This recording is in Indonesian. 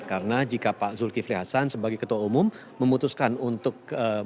karena jika pak zulkifli hasan sebagai ketua umum memutuskan untuk